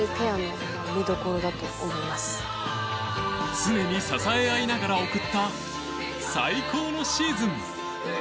常に支え合いながら送った最高のシーズン。